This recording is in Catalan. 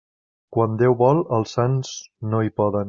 Quan Déu vol, els sants no hi poden.